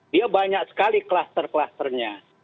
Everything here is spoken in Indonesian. dia banyak sekali kluster klusternya